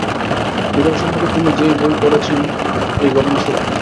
বিড়াল সম্পর্কে তিনি যে বই পড়ছেন, এই ঘটনা সত্যি।